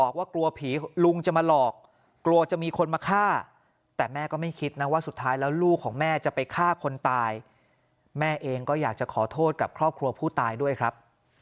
กับครอบครัวผู้ตายด้วยครับ